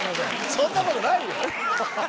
そんな事ないよ！